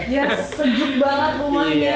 ya sejuk banget rumahnya